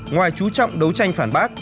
ngoài chú trọng đấu tranh phản bác